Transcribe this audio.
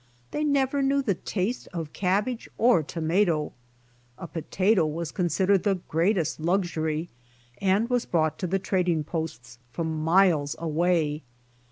They never knew the taste of cabbage or tomato. A potato was con sidered the greatest luxury, and was brought to the trading posts from miles away.